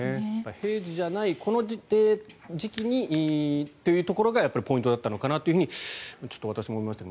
平時じゃないこの時期にというところがポイントだったのかなというふうに私も思いましたね。